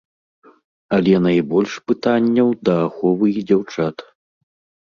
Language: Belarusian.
Але найбольш пытанняў да аховы і дзяўчат.